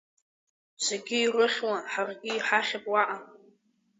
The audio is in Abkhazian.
Зегьы ирыхьуа ҳаргьы иҳахьып уаҟа…